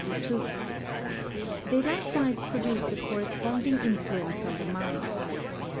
They likewise produce a corresponding influence on the mind.